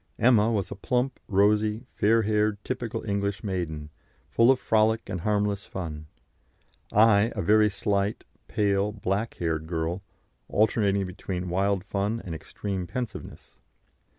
Emma was a plump, rosy, fair haired typical English maiden, full of frolic and harmless fun; I a very slight, pale, black haired girl, alternating between wild fun and extreme pensiveness.